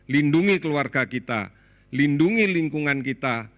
lindungi keluarga kita lindungi lingkungan kita